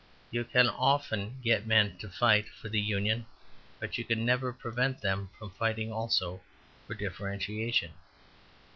You can often get men to fight for the union; but you can never prevent them from fighting also for the differentiation.